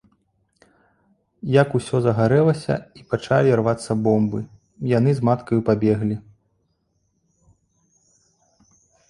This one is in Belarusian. Як усё загарэлася і пачалі рвацца бомбы, яны з маткаю пабеглі.